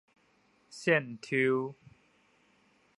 線抽